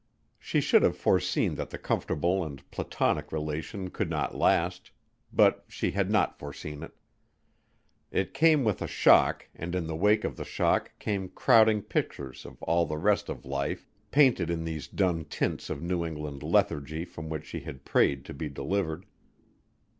She should have foreseen that the comfortable and platonic relation could not last but she had not foreseen it. It came with a shock and in the wake of the shock came crowding pictures of all the rest of life, painted in these dun tints of New England lethargy from which she had prayed to be delivered.